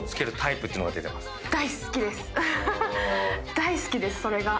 大好きですそれが。